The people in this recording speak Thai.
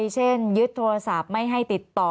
เช่นยึดโทรศัพท์ไม่ให้ติดต่อ